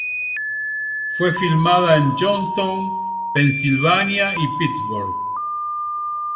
Fue filmada en Johnstown, Pensilvania, y Pittsburgh.